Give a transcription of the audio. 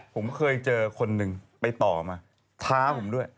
ผมเคยเจอคนหนึ่งไปต่อมาท้าผมด้วย